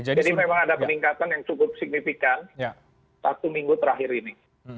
jadi memang ada peningkatan yang cukup signifikan satu minggu terakhir ini